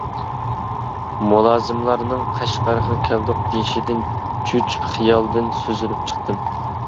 مۇلازىملارنىڭ قەشقەرگە كەلدۇق دېيىشىدىن چۆچۈپ خىيالدىن سۈزۈلۈپ چىقتىم.